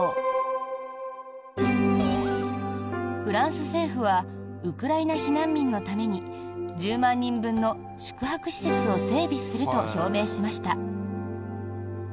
フランス政府はウクライナ避難民のために１０万人分の宿泊施設を整備すると表明しました。